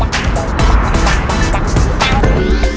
โปรดติดตามตอนต่อไป